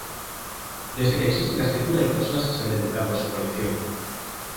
Desde que existe la escritura hay personas que se han dedicado a su colección.